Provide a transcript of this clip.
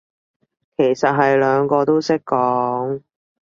其實係兩個都識講